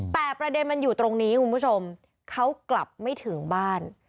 แต่ประเด็นมันอยู่ตรงนี้คุณผู้ชมเขากลับไม่ถึงบ้าน